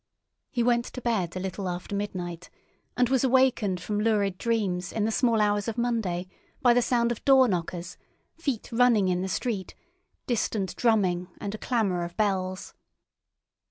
He went to bed a little after midnight, and was awakened from lurid dreams in the small hours of Monday by the sound of door knockers, feet running in the street, distant drumming, and a clamour of bells.